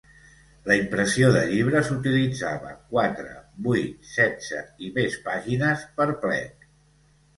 La impressió de llibres utilitzava quatre, vuit, setze i més pàgines per plec.